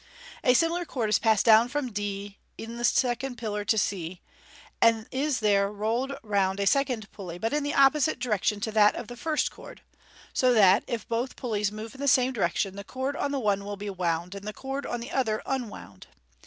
A similar cord is passed down from d in the second pillar to c, and is there rolled round a second pulley, but in the opposite direction to that of the first cord ; so that, if both pulleys move in the same direction, the cord on the one will be wound, and the cord on the other un wound.